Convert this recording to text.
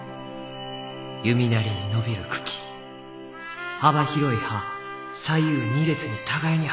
弓なりに伸びる茎幅広い葉左右２列に互いに生えちゅう。